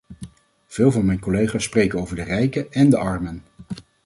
Veel van mijn collega's spreken over de rijken en de armen.